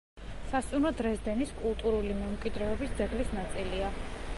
სასტუმრო „დრეზდენის“ კულტურული მემკვიდრეობის ძეგლის ნაწილია.